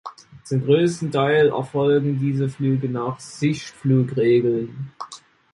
Zum größten Teil erfolgen diese Flüge nach Sichtflugregeln.